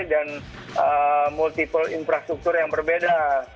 dan multiple infrastruktur yang berbeda